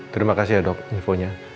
terima kasih ya dok infonya